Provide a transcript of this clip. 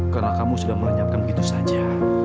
karena kamu sudah merenyapkan begitu saja